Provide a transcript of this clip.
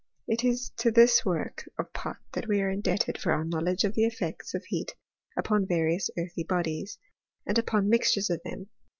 * It is to this work of Pott that we are indebted for our knowledge of the effects of heat upon various earthy bodies, and upon mixtures of them.